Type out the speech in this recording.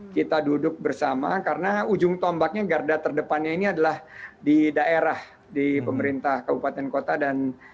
kita duduk bersama karena ujung tombaknya garda terdepannya ini adalah di daerah di pemerintah kabupaten kota dan